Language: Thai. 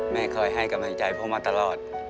แม่ค่อยให้กำหนักใจพวกมันตลอด